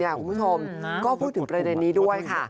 คุณผู้ชมก็พูดถึงประเด็นนี้ด้วยค่ะ